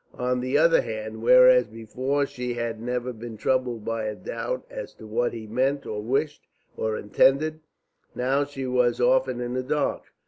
On the other hand, whereas before she had never been troubled by a doubt as to what he meant or wished, or intended, now she was often in the dark.